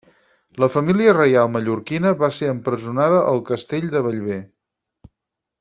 La família reial mallorquina va ser empresonada al castell de Bellver.